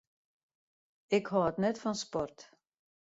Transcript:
Ik hâld net fan sport.